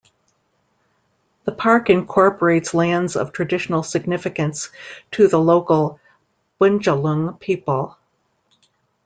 The park incorporates lands of traditional significance to the local Bundjalung people.